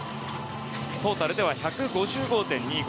トータルでは１５５．２５。